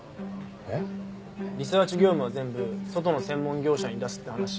えっ？リサーチ業務は全部外の専門業者に出すって話。